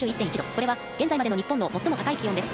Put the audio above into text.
これは現在までの日本の最も高い気温です。